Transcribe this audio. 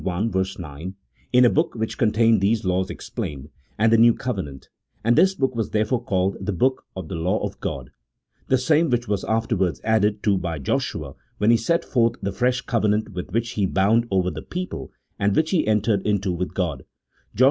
9), in a book which contained these laws explained, and the new covenant, and this book was therefore called the book of the law of God : the same which was afterwards added to by Joshua when he set forth the fresh covenant with which he bound over the people and which he entered into with God (Josh.